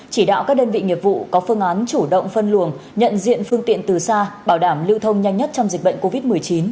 chỉ đạo các đơn vị nghiệp vụ có phương án chủ động phân luồng nhận diện phương tiện từ xa bảo đảm lưu thông nhanh nhất trong dịch bệnh covid một mươi chín